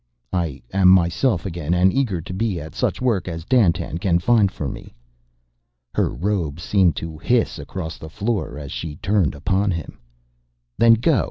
"I am myself again and eager to be at such work as Dandtan can find for me...." Her robe seemed to hiss across the floor as she turned upon him. "Then go!"